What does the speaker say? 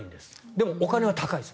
でもお金は高いです。